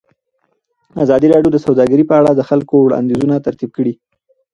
ازادي راډیو د سوداګري په اړه د خلکو وړاندیزونه ترتیب کړي.